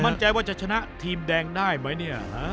มั่นใจว่าจะชนะทีมแดงได้ไหมเนี่ย